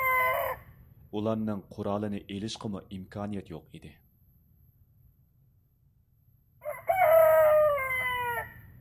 ئۇلارنىڭ قورالىنى ئېلىشقىمۇ ئىمكانىيەت يوق ئىدى.